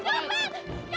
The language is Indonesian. eh mana mana dia